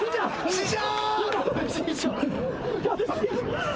師匠！